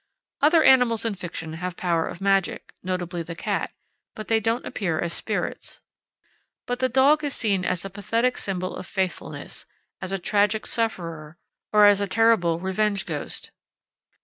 Other animals in fiction have power of magic notably the cat but they don't appear as spirits. But the dog is seen as a pathetic symbol of faithfulness, as a tragic sufferer, or as a terrible revenge ghost.